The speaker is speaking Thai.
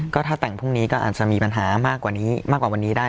ก็ถ้าแต่งพวกนี้ก็อาจจะมีปัญหามากกว่าวันนี้ได้